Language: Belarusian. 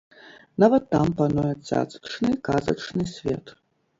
Нават там пануе цацачны, казачны свет.